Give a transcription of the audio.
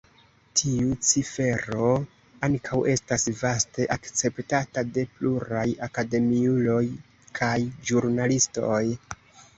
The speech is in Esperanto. Tiu cifero ankaŭ estas vaste akceptata de pluraj akademiuloj kaj ĵurnalistoj.